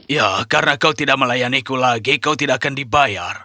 ya karena kau tidak melayaniku lagi kau tidak akan dibayar